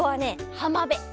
はまべ。